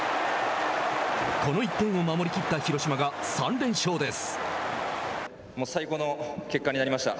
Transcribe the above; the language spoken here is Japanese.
この１点を守りきった広島が３連勝です。